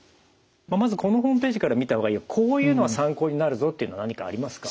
まずこのホームページから見た方がいいよこういうのは参考になるぞっていうのは何かありますか？